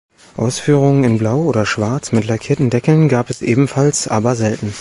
Ausführungen in blau oder schwarz mit lackierten Deckeln gab es ebenfalls, aber selten.